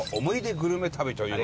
グルメ旅という。